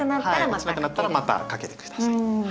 落ちなくなったらまた掛けて下さい。